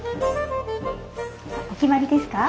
お決まりですか？